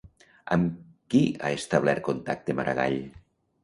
Amb qui ha establert contacte Maragall?